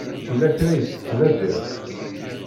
Yella kra i tettnadiḍ?